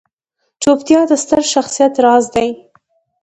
چوپتیا، د ستر شخصیت راز دی.